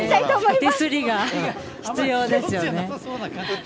手すりが必要ですよね。